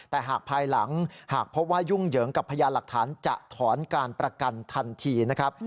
แต่หากภายหลังหากพบว่ายุ่งเหยิงกับพยานหลักฐานจะถอนการประกันทันทีนะครับ